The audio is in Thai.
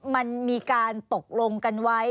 มันมีการตกลงกันไว้